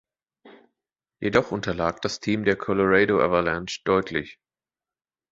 Jedoch unterlag das Team der Colorado Avalanche deutlich.